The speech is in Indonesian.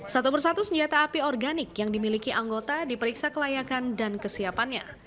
satu persatu senjata api organik yang dimiliki anggota diperiksa kelayakan dan kesiapannya